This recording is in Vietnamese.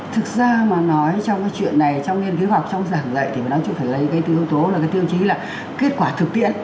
thực ra mà nói trong cái chuyện này trong nghiên cứu khoa học trong giảng dạy thì phải lấy cái tiêu chí là kết quả thực tiễn